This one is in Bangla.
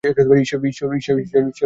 ঈশ্বর তোমার মঙ্গল করুক।